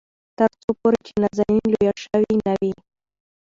تر څو پورې چې نازنين لويه شوې نه وي.